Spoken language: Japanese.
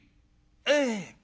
「ええ。